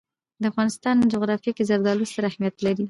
د افغانستان جغرافیه کې زردالو ستر اهمیت لري.